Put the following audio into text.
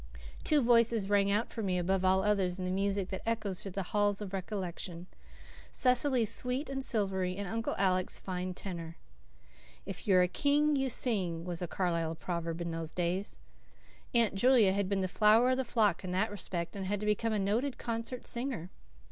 Two voices ring out for me above all others in the music that echoes through the halls of recollection. Cecily's sweet and silvery, and Uncle Alec's fine tenor. "If you're a King, you sing," was a Carlisle proverb in those days. Aunt Julia had been the flower of the flock in that respect and had become a noted concert singer.